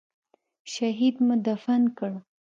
شهيد مو دفن کړ.